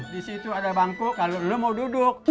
di situ ada bangku kalau lo mau duduk